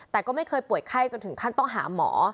แต่ก็ไม่เคยป่วยไข้จนถึงขั้นต้องหาหมอ